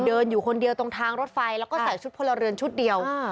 อยู่คนเดียวตรงทางรถไฟแล้วก็ใส่ชุดพลเรือนชุดเดียว